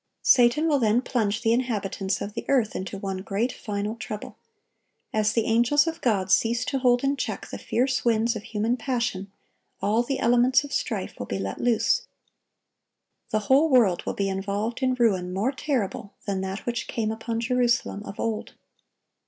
Satan will then plunge the inhabitants of the earth into one great, final trouble. As the angels of God cease to hold in check the fierce winds of human passion, all the elements of strife will be let loose. The whole world will be involved in ruin more terrible than that which came upon Jerusalem of old.